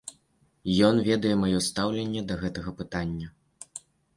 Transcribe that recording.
Ён ведае маё стаўленне да гэтага пытання.